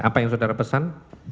apa yang saudara pesan